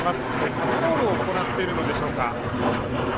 パトロールを行っているのでしょうか